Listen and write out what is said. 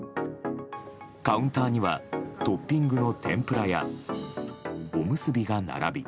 カウンターにはトッピングの天ぷらや、おむすびが並び。